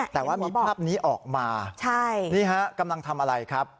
แต่ว่ามีภาพนี้ออกมานี่ฮะกำลังทำอะไรครับ